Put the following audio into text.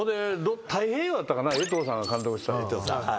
太平洋やったかな江藤さんが監督したの。